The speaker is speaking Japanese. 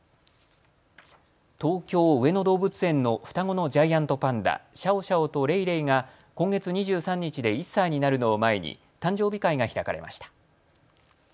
東京・上野動物園の双子のジャイアントパンダ、シャオシャオとレイレイが今月２３日で１歳になるのを前に誕生日会が開かれました。